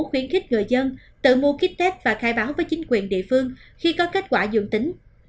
khuyến khích người dân tự mua kit test và khai báo với chính quyền địa phương khi có kết quả dưỡng tính